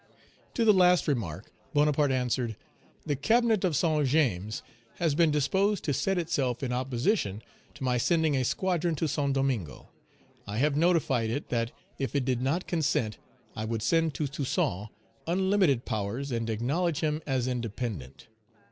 To the last remark Bonaparte answered, "The cabinet of St. James's has been disposed to set itself in opposition to my sending a squadron to Saint Domingo; I have notified it, that if it did not consent, I would send to Toussaint unlimited powers, and acknowledge him as independent.